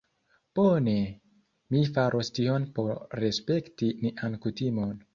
Bone. Mi faros tion por respekti nian kutimon